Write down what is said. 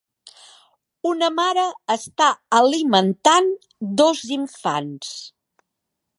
Una mare està alimentant dos infants.